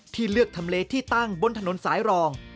เลือกทำเลที่ตั้งบนถนนสายรอง